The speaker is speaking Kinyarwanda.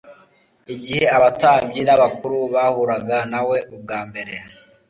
Igihe abatambyi n'abakuru bahuraga na we ubwa mbere,